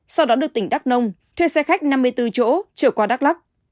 sau đó được tỉnh đắk nông thuê xe khách năm mươi bốn chỗ trở qua đắk lắc